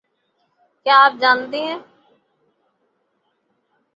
کیا آپ جانتے ہیں